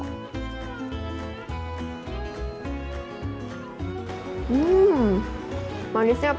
hmm manisnya pas enak